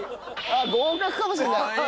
合格かもしれない。